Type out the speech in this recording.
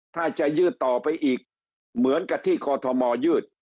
ถ้าจะยืดต่อไปอีกเหมือนกับที่กอทมยืด